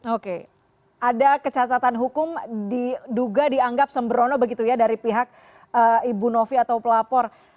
oke ada kecacatan hukum diduga dianggap sembrono begitu ya dari pihak ibu novi atau pelapor